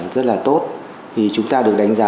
rất là tốt chúng ta được đánh giá